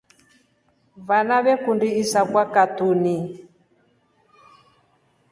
Vana veekundi isaakwa katuni.